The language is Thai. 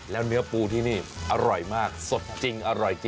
แล้วเนื้อปูที่นี่อร่อยมากสดจริง